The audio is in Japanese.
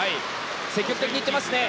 積極的に行ってますね。